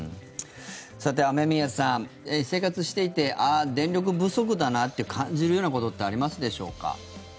さて、雨宮さん生活していてあっ、電力不足だなって感じるようなことってありますでしょうか。